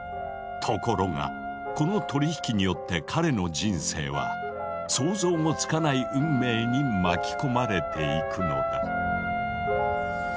ところがこの取り引きによって彼の人生は想像もつかない運命に巻き込まれていくのだ。